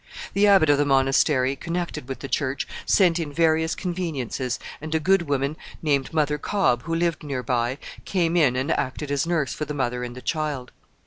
The abbot of the monastery connected with the church sent in various conveniences, and a good woman named Mother Cobb, who lived near by, came in and acted as nurse for the mother and the child.